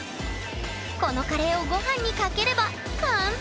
このカレーをごはんにかければ完成！